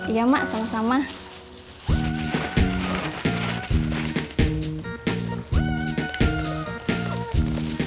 iya mak selamat siang mak